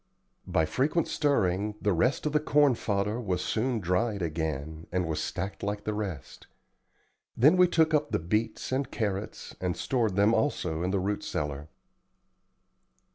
By frequent stirring the rest of the corn fodder was soon dried again, and was stacked like the rest. Then we took up the beets and carrots, and stored them also in the root cellar.